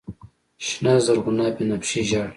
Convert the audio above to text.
شنه، زرغونه، بنفشیې، ژړ